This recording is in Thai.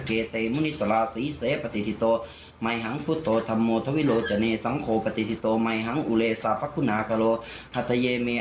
เกิดอะไรที่วัดเป็นสอนอนไม่ค่อยนี่คือ